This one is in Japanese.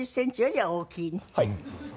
はい。